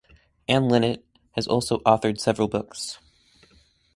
Anne Linnet has also authored several books.